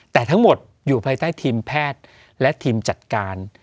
แต่ทั้งหมดอยู่ภายใต้ทีมแพทย์และทีมจัดการ